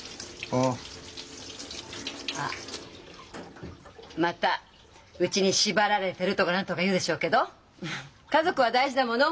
あっまたうちに縛られてるとか何とか言うでしょうけど家族は大事だもの！